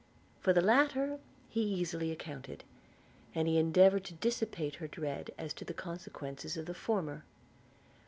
For the latter he easily accounted; and he endeavoured to dissipate her dread as to the consequences of the former.